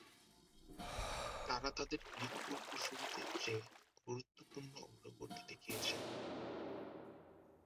তারা তাদের গ্রীক পূর্বসূরীদের চেয়ে গুরুত্বপূর্ণ অগ্রগতি দেখিয়েছেন।